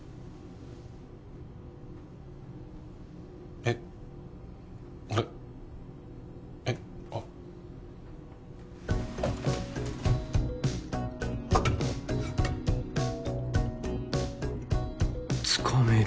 えっ俺えっあつかめる